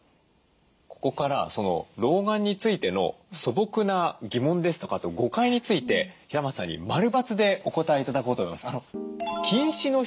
ここから老眼についての素朴な疑問ですとかあと誤解について平松さんに○×でお答え頂こうと思います。